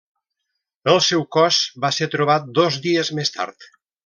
El seu cos va ser trobat dos dies més tard.